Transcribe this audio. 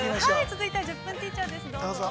◆続いては「１０分ティーチャー」です、どうぞ。